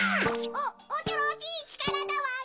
おおちょろちいちからだわん。